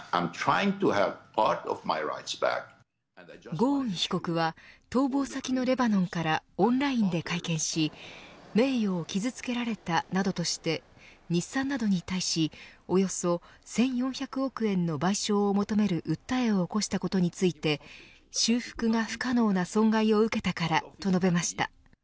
ゴーン被告は逃亡先のレバノンからオンラインで会見し名誉を傷つけられたなどとして日産などに対しおよそ１４００億円の賠償を求める訴えを起こしたことについて修復が不可能な損害を受けたからと述べました。